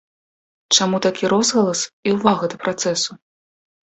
Чаму такі розгалас і ўвага да працэсу?